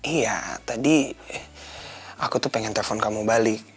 ya tadi aku tuh pengen telfon kamu balik